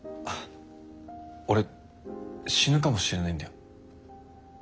俺死ぬかもしれないんだよ？